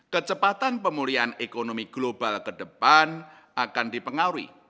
kecepatan pemulihan ekonomi global ke depan akan dipengaruhi